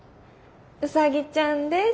うさぎちゃんです。